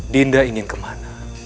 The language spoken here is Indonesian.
dinda ingin kemana